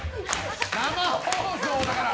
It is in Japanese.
生放送だから！